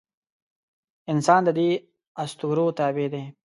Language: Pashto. انسان د دې اسطورو تابع دی.